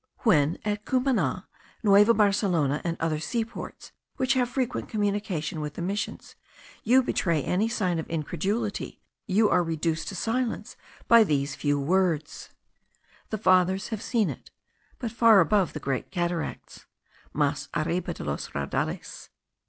When, at Cumana, Nueva Barcelona, and other seaports which have frequent communication with the Missions, you betray any sign of incredulity, you are reduced to silence by these few words: The fathers have seen it, but far above the Great Cataracts (mas arriba de los Raudales).